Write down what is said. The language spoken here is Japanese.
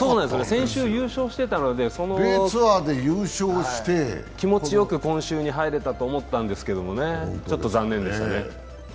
先週、優勝してたので、気持ちよく今週に入れたと思ったんですけどちょっと残念でしたね。